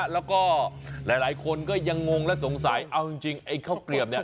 แล้วก็หลายคนก็ยังงงและสงสัยเอาจริงไอ้ข้าวเกลียบเนี่ย